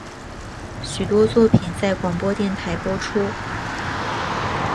许多作品在广播电台播出。